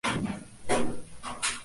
Su nombre será el Vengador Argentino"".